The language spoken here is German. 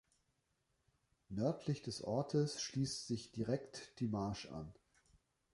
Nördlich des Ortes schließt sich direkt die Marsch an.